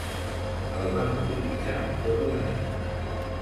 El van utilitzar tot un any.